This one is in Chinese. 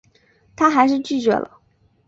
她还是拒绝了